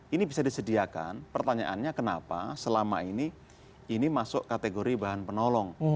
ini bisa disediakan pertanyaannya kenapa selama ini ini masuk kategori bahan penolong